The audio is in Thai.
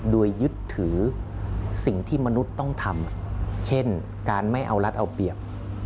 โดยยึดถือสิ่งที่มนุษย์ต้องทำเช่นการไม่เอารัฐเอาเปรียบ